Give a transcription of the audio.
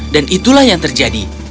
dan itulah yang terjadi